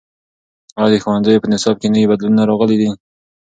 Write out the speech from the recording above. ایا د ښوونځیو په نصاب کې نوي بدلونونه راغلي دي؟